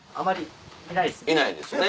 いないですよね。